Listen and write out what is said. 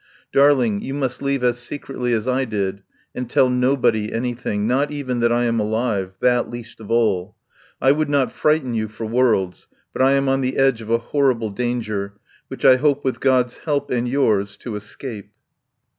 Darling, you must leave as secretly as I did, and tell nobody anything, not even that I am alive — that least of all. I would not frighten you for worlds, but I am on the edge of a horrible danger, which I hope with God's help and yours to escape